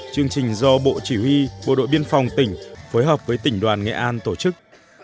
chương trình do bộ chỉ huy bộ đội biên phòng tỉnh phối hợp với tỉnh đoàn nghệ an tổ chức